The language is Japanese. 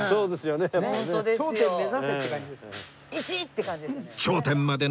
「１」って感じですよね。